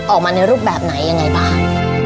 ออกมาในรูปแบบไหนยังไงบ้าง